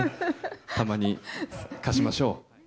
たまに、貸しましょう。